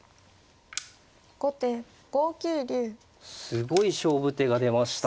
すごい勝負手が出ました。